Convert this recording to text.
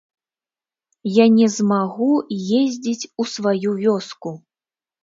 Я не змагу ездзіць у сваю вёску!